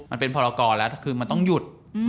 มันเป็นพรกรแล้วคือมันต้องหยุด